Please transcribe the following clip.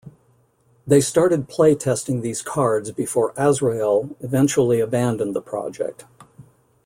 They started playtesting these cards before Azrael eventually abandoned the project.